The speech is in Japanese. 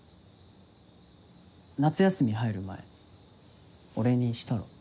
夏休み入る前俺にしたろ。